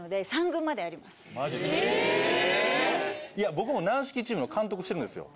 ・僕も軟式チームの監督してるんですよ。